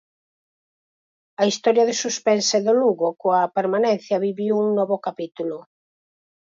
A historia de suspense do Lugo coa permanencia viviu un novo capítulo.